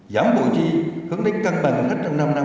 giảm bộ chi hướng đến căng bền hết trong năm năm một mươi năm